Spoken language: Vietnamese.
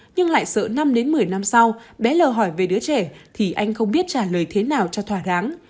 nhưng lại sợ năm đến một mươi năm sau bé lờ hỏi về đứa trẻ thì anh không biết trả lời thế nào cho thỏa đáng